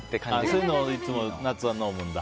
そういうのをいつも夏は飲むんだ。